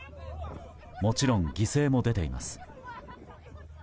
もちろん犠牲も出ています。